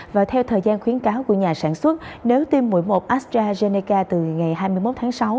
và theo thời gian khuyến cáo của nhà sản xuất nếu tiêm mũi một astrazeneca từ ngày hai mươi một tháng sáu